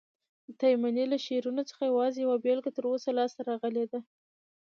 د تایمني له شعرونو څخه یوازي یوه بیلګه تر اوسه لاسته راغلې ده.